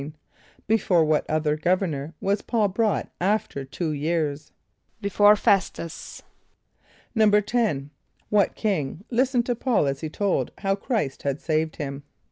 = Before what other governor was P[a:]ul brought after two years? =Before F[)e]s´tus.= =10.= What king listened to P[a:]ul as he told how Chr[=i]st had saved him?